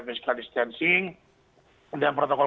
physical distancing dan protokol